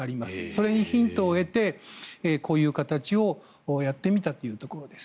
それにヒントを得てこういう形をやってみたというところです。